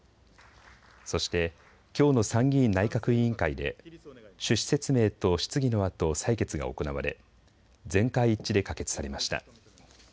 そしてきょうの参議院内閣委員会で趣旨説明と質疑のあと採決が行われ全会一致で可決されました。